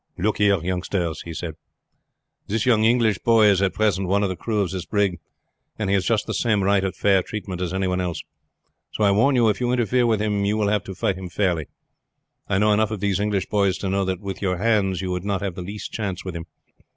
"Look here, youngsters," he said, "this young English boy is at present one of the crew of this brig, and he has just the same right to fair treatment as any one else, so I warn you if you interfere with him you will have to fight him fairly. I know enough of these English boys to know that with your hands you would not have the least chance with him.